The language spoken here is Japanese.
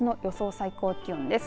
最高気温です。